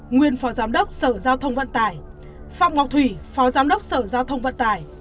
nguyên phó giám đốc sở giao thông vận tải phạm ngọc thủy phó giám đốc sở giao thông vận tải